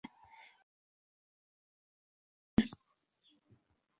আমি তোমাদের দুজনকে বাঁচিয়েছি।